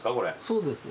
そうです。